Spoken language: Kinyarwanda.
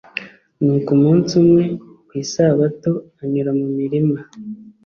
nuko umunsi umwe ku isabato anyura mu mirima